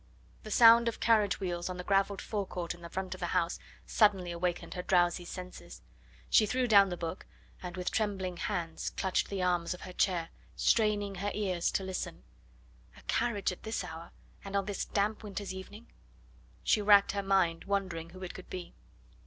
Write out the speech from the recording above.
The sound of carriage wheels on the gravelled forecourt in the front of the house suddenly awakened her drowsy senses. She threw down the book, and with trembling hands clutched the arms of her chair, straining her ears to listen. A carriage at this hour and on this damp winter's evening! She racked her mind wondering who it could be.